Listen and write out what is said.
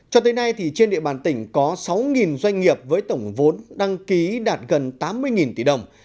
cho tới nay trên địa bàn tỉnh có sáu doanh nghiệp với tổng vốn đăng ký đạt gần tám mươi tỷ đồng